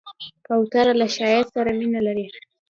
کوتره له ښایست سره مینه لري.